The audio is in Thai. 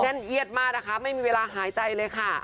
เอียดมากนะคะไม่มีเวลาหายใจเลยค่ะ